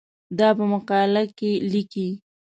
دا په مقاله کې لیکې.